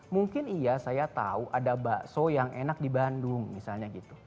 mungkin iya saya tahu ada bakso yang enak di bandung misalnya gitu